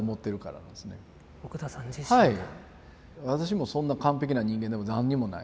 私もそんな完璧な人間でも何にもない。